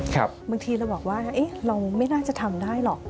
บางทีเราบอกว่าเราไม่น่าจะทำได้หรอก